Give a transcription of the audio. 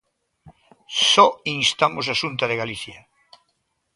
Só instamos a Xunta de Galicia.